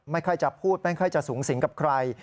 ไม่ค่อยจะพูดไม่ค่อยจะสูงสิงกับใคร